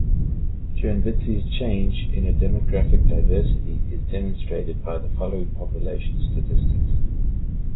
Chernivtsi's change in demographic diversity is demonstrated by the following population statistics.